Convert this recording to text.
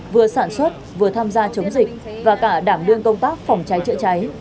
vừa sản xuất vừa tham gia chống dịch và cả đảm đương công tác phòng cháy chữa cháy